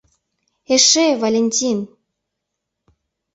Эше, Валентин!